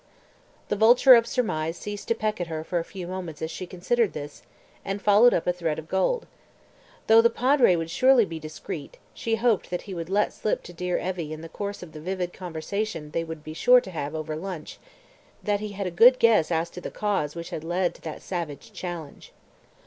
... The vulture of surmise ceased to peck at her for a few moments as she considered this, and followed up a thread of gold. ... Though the Padre would surely be discreet, she hoped that he would "let slip" to dear Evie in the course of the vivid conversation they would be sure to have over lunch, that he had a good guess as to the cause which had led to that savage challenge.